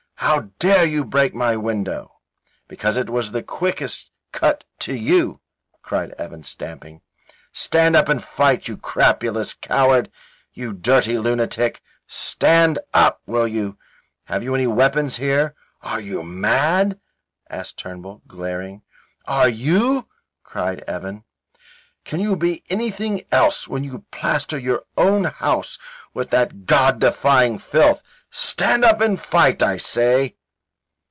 "How dare you break my window?" "Because it was the quickest cut to you," cried Evan, stamping. "Stand up and fight, you crapulous coward. You dirty lunatic, stand up, will you? Have you any weapons here?" "Are you mad?" asked Turnbull, glaring. "Are you?" cried Evan. "Can you be anything else when you plaster your own house with that God defying filth? Stand up and fight, I say."